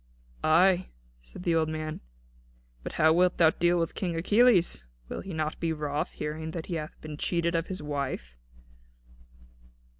'" "Ay," said the old man, "but how wilt thou deal with King Achilles? Will he not be wroth, hearing that he hath been cheated of his wife?"